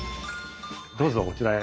どうぞこちらへ。